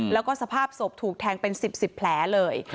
แล้วก็สภาพศพถูกแทงเป็น๑๐๑๐แผลเลย